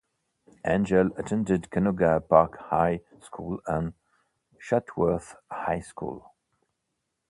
Angel attended Canoga Park High School and Chatsworth High School.